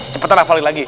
cepetan hafalin lagi